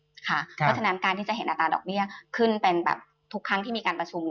เพราะฉะนั้นการที่จะเห็นอัตราดอกเบี้ยขึ้นเป็นแบบทุกครั้งที่มีการประชุม